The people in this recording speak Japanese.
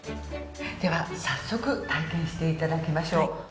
では早速体験していただきましょう。